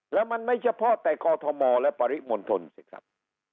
แล้วมันไม่เฉพาะแต่กอทมและปริมณฑลสิครับ